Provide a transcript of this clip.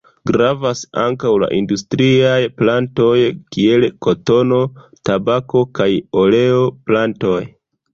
Gravas ankaŭ la industriaj plantoj kiel kotono, tabako kaj oleo-plantoj.